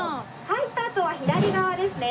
入ったあとは左側ですね。